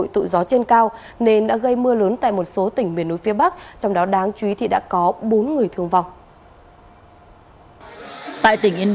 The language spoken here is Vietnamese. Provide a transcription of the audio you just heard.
tại tỉnh yên bái